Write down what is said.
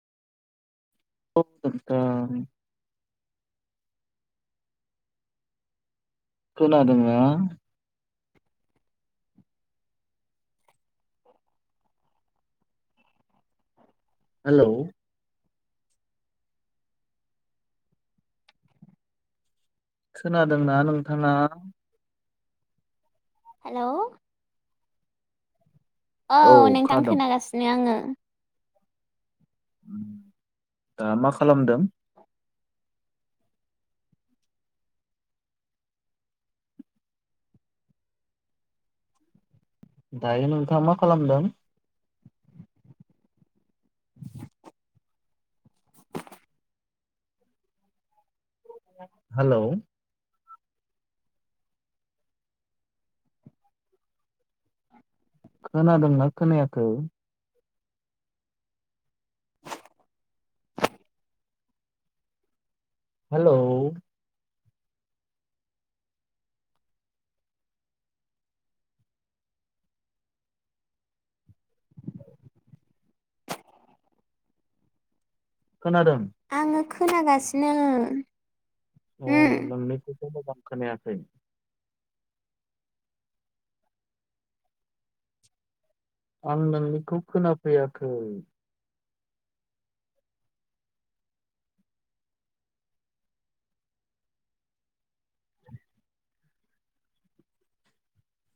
ओ खोनादोंना [inaudible] हेल' खोनादोंना नोंथाङा हेल' औ नोंथां खोनागासिनो आङो दा मा खालामदों दायो नोंथाङा मा खालामदों हेलौ खोनादोंना खोनायाखै हेल' खोनादों आङो खोनागासिनो अ नोंनिखौ खौमोजां खोनायाखै आं नोंनिखौ खोनाफैयाखै